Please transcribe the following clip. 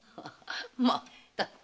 まったく。